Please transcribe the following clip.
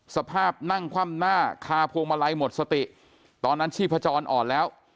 สภาพนั่งคว่ำหน้าคาพวงมาลัยหมดสติตอนนั้นชีพจรอ่อนแล้ว